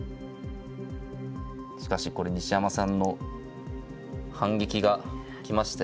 しかしこれ西山さんの反撃が来ましたよ。